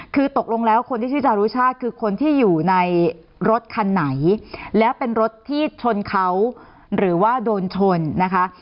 คือตกลงแล้วคนที่ชื่อจารุชาติคือคนที่อยู่ในรถคันไหนและเป็นรถที่ชนเขาหรือว่าโดนชนนะคะ